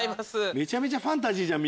めちゃめちゃファンタジーじゃん